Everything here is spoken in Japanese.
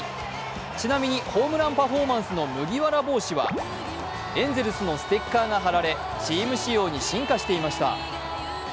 ちなみにホームランパフォーマンスの麦わら帽子はエンゼルスのステッカーが貼られ、チーム仕様に進化していました。